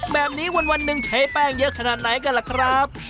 แบบนี้วันหนึ่งใช้แป้งเยอะขนาดไหนกันล่ะครับ